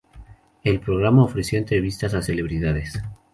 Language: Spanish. El programa ofreció entrevistas a celebridades.